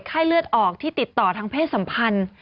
ไข้เลือดออกที่ติดต่อทางเพศสัมพันธ์